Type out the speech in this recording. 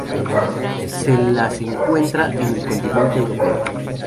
Se las encuentra en el continente Europeo.